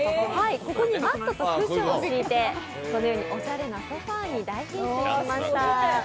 ここにマットとクッションを敷いておしゃれなソファーに大変身しました。